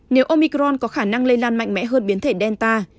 nếu omicron có khả năng lây lan mạnh mẽ hơn biến thể delta